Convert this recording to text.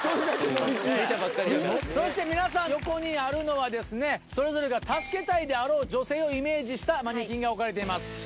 そして皆さん横にあるのはですねそれぞれ助けたいであろう女性をイメージしたマネキンが置かれています。